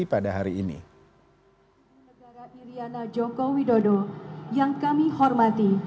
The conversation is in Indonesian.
pada hari ini negara iryana joko widodo yang kami hormati